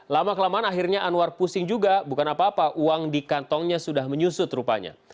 lama kelamaan akhirnya anwar pusing juga bukan apa apa uang di kantongnya sudah menyusut rupanya